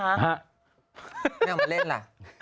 ไม่เอามาเล่นล่ะ